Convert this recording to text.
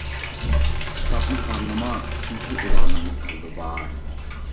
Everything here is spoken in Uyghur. كىتابنى خارلىما، چۈنكى ئۇلارنىڭمۇ قەلبى بار.